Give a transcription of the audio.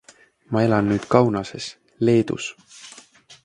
Ma elan nüüd Kaunases, Leedus.